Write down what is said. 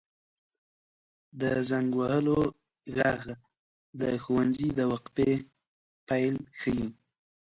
• د زنګ وهلو ږغ د ښوونځي د وقفې پیل ښيي.